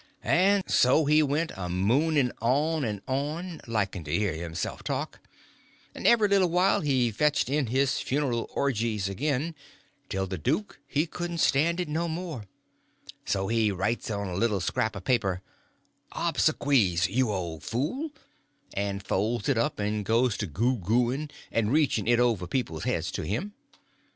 And so he went a mooning on and on, liking to hear himself talk, and every little while he fetched in his funeral orgies again, till the duke he couldn't stand it no more; so he writes on a little scrap of paper, "obsequies, you old fool," and folds it up, and goes to goo gooing and reaching it over people's heads to him.